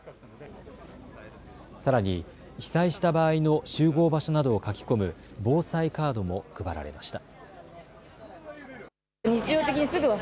さらに被災した場合の集合場所などを書き込む防災カードも配られました。